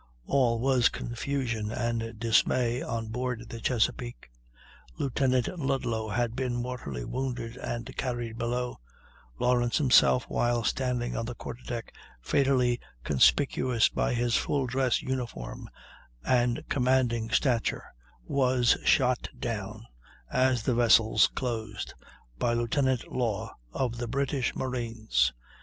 All was confusion and dismay on board the Chesapeake. Lieutenant Ludlow had been mortally wounded and carried below; Lawrence himself, while standing on the quarterdeck, fatally conspicuous by his full dress uniform and commanding stature, was shot down, as the vessels closed, by Lieutenant Law of the British marines.